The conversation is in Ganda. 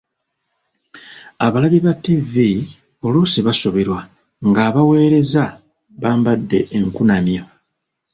Abalabi ba ttivvi oluusi basoberwa ng’abaweereza bambadde enkunamyo.